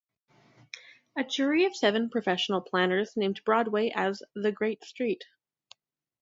A jury of seven professional planners named Broadway as the Great Street.